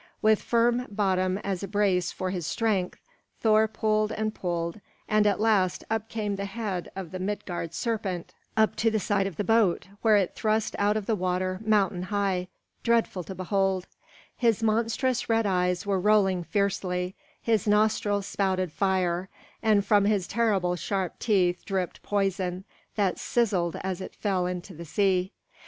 With firm bottom as a brace for his strength, Thor pulled and pulled, and at last up came the head of the Midgard serpent, up to the side of the boat, where it thrust out of the water mountain high, dreadful to behold; his monstrous red eyes were rolling fiercely, his nostrils spouted fire, and from his terrible sharp teeth dripped poison, that sizzled as it fell into the sea.